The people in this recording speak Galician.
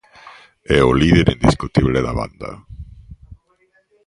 É o líder indiscutible da banda.